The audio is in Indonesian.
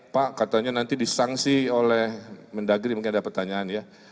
pak katanya nanti disangsi oleh mendagri mungkin ada pertanyaan ya